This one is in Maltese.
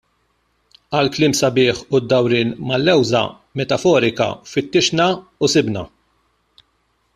Għall-kliem sabiħ u d-dawrien mal-lewża metaforika, fittixna u sibna.